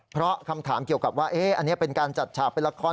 เพราะคำถามเกี่ยวกับว่าอันนี้เป็นการจัดฉากเป็นละคร